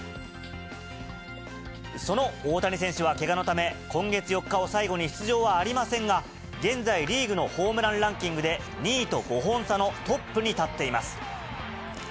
その大谷選手はけがのため、今月４日を最後に出場はありませんが、現在リーグのホームランランキングで、２位と５本差のトップに立っています。